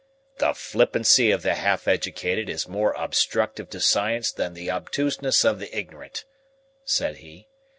"The flippancy of the half educated is more obstructive to science than the obtuseness of the ignorant," said he.